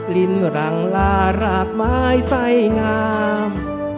ลิ้นรังลารากไม้ไส้งาม